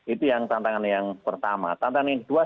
itu yang tantangan yang pertama tantangan yang kedua